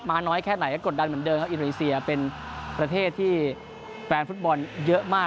น้อยแค่ไหนก็กดดันเหมือนเดิมครับอินโดนีเซียเป็นประเทศที่แฟนฟุตบอลเยอะมาก